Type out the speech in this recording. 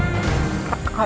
dia itu orang yang ngeselin